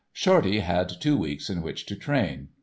Shorty had two weeks in which to train.